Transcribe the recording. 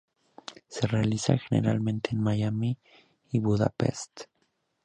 Se realiza generalmente en Miami y Budapest.